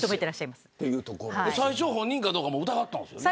最初、本人かどうかも疑っていたんですよね。